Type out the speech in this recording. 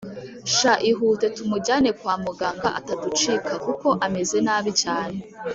sha ihute tumujyane kwamuganga ataducika kuko ameze nabi cyane